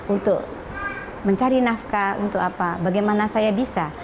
untuk mencari nafkah untuk apa bagaimana saya bisa